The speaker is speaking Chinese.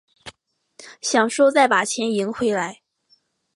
想说再把钱赢回来